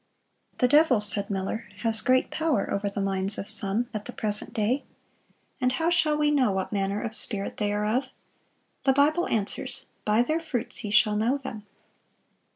"The devil," said Miller, "has great power over the minds of some at the present day. And how shall we know what manner of spirit they are of? The Bible answers: 'By their fruits ye shall know them.